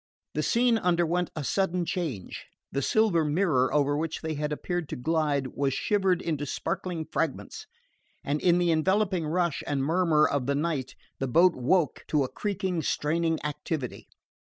The scene underwent a sudden change. The silver mirror over which they had appeared to glide was shivered into sparkling fragments, and in the enveloping rush and murmur of the night the boat woke to a creaking straining activity.